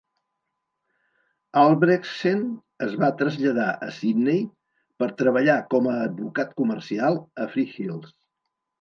Albrechtsen es va traslladar a Sydney per treballar com a advocat comercial a Freehills.